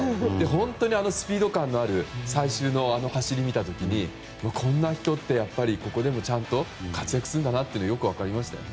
本当にスピード感のある最終の走りを見た時にこんな人はここでもちゃんと活躍するんだなというのがよく分かりましたよね。